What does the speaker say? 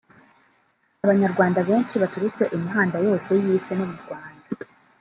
Abanyarwanda benshi baturutse imihanda yose y’isi no mu Rwanda